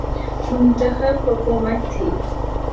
منتخب حکومت تھی۔